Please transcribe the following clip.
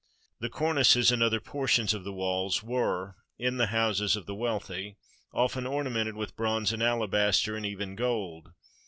The cornices and other portions of the walls were in the houses of the wealthy often orna mented with bronze and alabaster, and even gold.